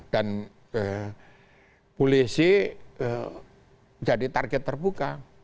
dan polisi jadi target terbuka